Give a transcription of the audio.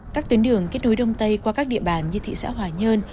các tuyến đường kết nối đông tây qua các địa bàn như thị xã hòa nhơn